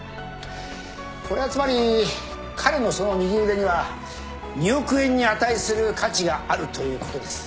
これはつまり彼のその右腕には２億円に値する価値があるということです